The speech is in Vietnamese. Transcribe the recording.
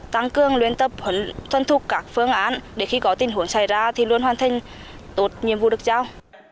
tăng cường luyện tập thuần thục các phương án để khi có tình huống xảy ra thì luôn hoàn thành tốt nhiệm vụ được giao